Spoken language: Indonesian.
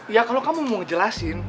ya kalau kamu mau ngejelasin